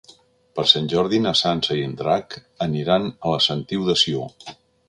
Per Sant Jordi na Sança i en Drac aniran a la Sentiu de Sió.